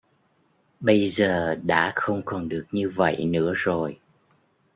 Bây giờ đã không còn được như vậy nữa rồi